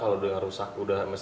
karena dibilang rusak itu pasti